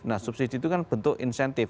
nah subsidi itu kan bentuk insentif